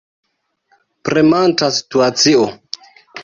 Premanta situacio.